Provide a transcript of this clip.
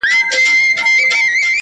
o جنت د حورو دی؛ دوزخ د سيطانانو ځای دی؛